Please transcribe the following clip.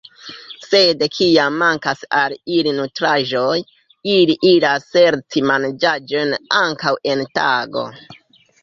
Sed kiam mankas al ili nutraĵoj, ili iras serĉi manĝaĵojn ankaŭ en tago.